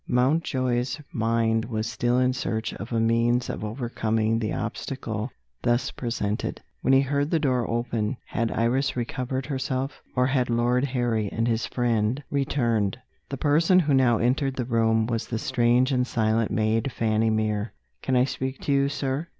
Mountjoy's mind was still in search of a means of overcoming the obstacle thus presented, when he heard the door open. Had Iris recovered herself? or had Lord Harry and his friend returned? The person who now entered the room was the strange and silent maid, Fanny Mere. "Can I speak to you, sir?"